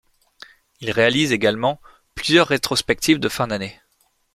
Il réalise également plusieurs rétrospectives de fin d'année.